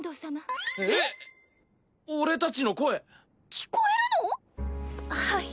聞こえるの⁉はい。